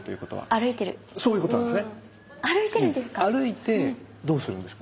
歩いてどうするんですか？